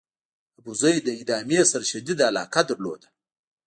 ابوزید له ادامې سره شدیده علاقه درلوده.